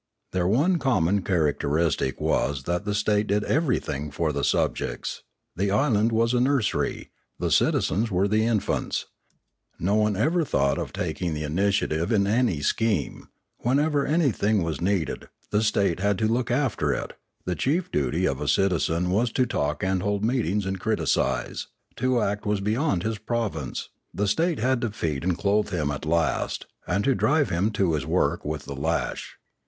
Their one common characteristic was that the state did everything for the subjects; the island was a nursery, the citizens were infants; no one ever thought of taking the initiative in any scheme; whenever anything was needed, the state had to look after it; the chief duty of a citizen was to talk and hold meetings and criticise; to act was beyond his province; the state had to feed and clothe him at last, and to drive him to his work with the lash.